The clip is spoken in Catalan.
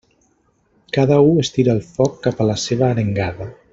Cada u es tira el foc cap a la seva arengada.